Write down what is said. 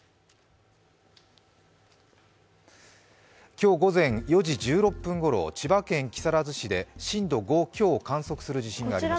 今日午前４時１６分ごろ千葉県木更津市で震度５強を観測する地震がありました。